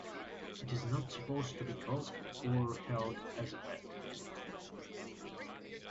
It is not supposed to be caught or held as pet.